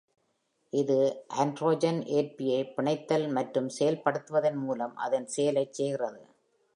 இது ஆண்ட்ரோஜன் ஏற்பியை பிணைத்தல் மற்றும் செயல்படுத்துவதன் மூலம் அதன் செயலைச் செய்கிறது.